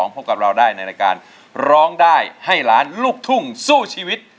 พบกับเราได้ในรายการร้องได้ให้ล้านลูกทุ่งสู้ชีวิต